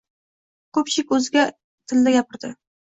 Ko‘pchilik o‘zga tildagapiradi.